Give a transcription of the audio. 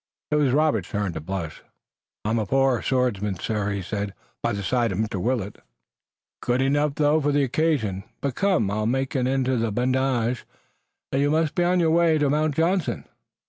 It was Robert's turn to flush. "I'm a poor swordsman, sir," he said, "by the side of Mr. Willet." "Good enough though, for the occasion. But come, I'll make an end to badinage. You must be on your way to Mount Johnson."